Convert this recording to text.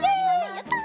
やった！